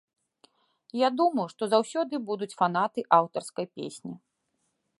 Я думаю, што заўсёды будуць фанаты аўтарскай песні.